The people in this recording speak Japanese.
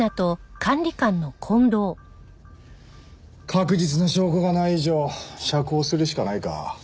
確実な証拠がない以上釈放するしかないか。